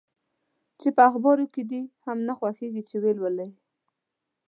چي په اخبارو کي دي هم نه خوښیږي چي یې ولولې؟